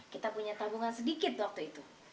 kita punya tabungan sedikit waktu itu